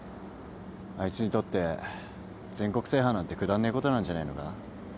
あいつにとって全国制覇なんてくだんねえことなんじゃねえのか。